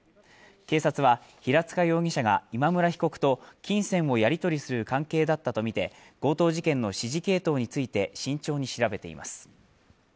警察は平塚容疑者が今村被告と金銭をやり取りする関係だったとみて強盗事件の指示系統について慎重に調べています。